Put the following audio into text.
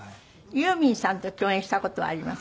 ユーミンさんと協演した事はあります？